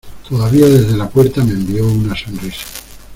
todavía desde la puerta me envió una sonrisa.